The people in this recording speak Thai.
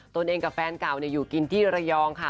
ตัวเองกับแฟนเก่าอยู่กินที่ระยองค่ะ